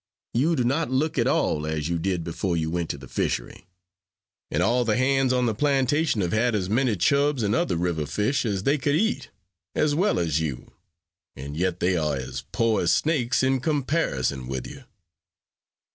You do not look at all as you did before you went to the fishery; and all the hands on the plantation have had as many chubs and other river fish as they could eat, as well as you, and yet they are as poor as snakes in comparison with you.